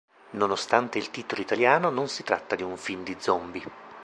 Nonostante il titolo italiano, non si tratta di un film di "zombi".